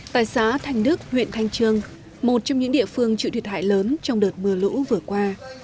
tại xã thanh đức huyện thanh trương một trong những địa phương chịu thiệt hại lớn trong đợt mưa lũ vừa qua